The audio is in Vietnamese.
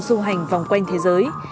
du hành vòng quanh thế giới